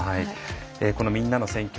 この「みんなの選挙」